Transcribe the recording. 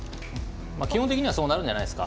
基本的にはそうなるんじゃないですか。